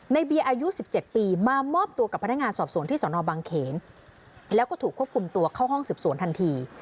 เบียร์อายุ๑๗ปีมามอบตัวกับพนักงานสอบสวนที่สนบางเขนแล้วก็ถูกควบคุมตัวเข้าห้องสืบสวนทันที